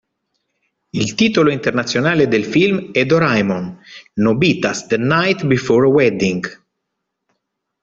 Il titolo internazionale del film è Doraemon: Nobita's the Night Before a Wedding.